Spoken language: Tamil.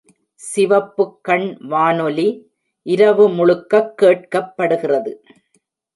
சிவப்புக் கண் வானொலி இரவுமுழுக்கக் கேட்கப்படுகிறது.